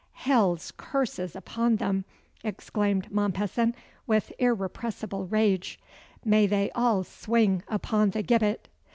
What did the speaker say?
"Hell's curses upon them!" exclaimed Mompesson, with irrepressible rage. "May they all swing upon the gibbet!"